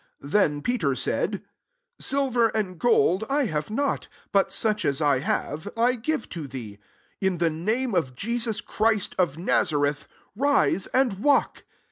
6 Then Peter said, '* Silver and gold I have not : but such as I have, I give to thee. In the name of Jesus Christ of Naza reth, rise and walk."